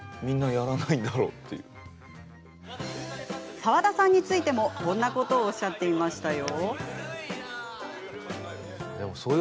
澤田さんについてもこんなことをおっしゃっていましたよ。